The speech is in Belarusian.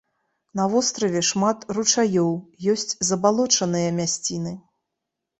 На востраве шмат ручаёў, ёсць забалочаныя мясціны.